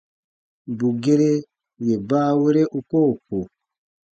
Bù gere yè baawere u koo ko.